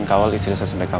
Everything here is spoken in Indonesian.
jagain oma ya